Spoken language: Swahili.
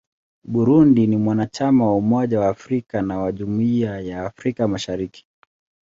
Burundi ni mwanachama wa Umoja wa Afrika na wa Jumuiya ya Afrika Mashariki.